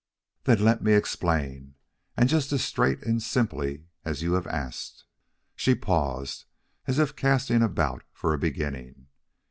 "Then let me explain, and just as straight and simply as you have asked." She paused, as if casting about for a beginning.